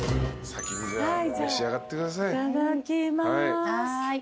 先に召し上がってください。